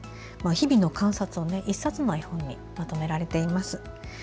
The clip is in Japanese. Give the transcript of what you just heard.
日々の観察を１冊の絵本にまとめられています。